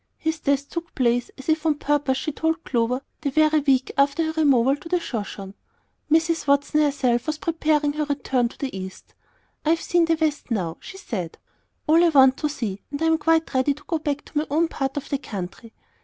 His death took place "as if on purpose," she told Clover, the very week after her removal to the Shoshone. Mrs. Watson herself was preparing for return to the East. "I've seen the West now," she said, "all I want to see; and I'm quite ready to go back to my own part of the country.